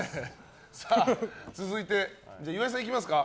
続いて、岩井さんいきますか。